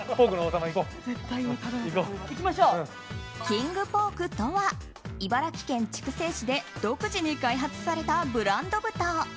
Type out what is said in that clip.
キングポークとは茨城県筑西市で独自に開発されたブランド豚。